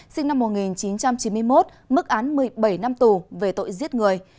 sinh năm một nghìn chín trăm chín mươi một mức án một mươi bảy năm tù về tội giết người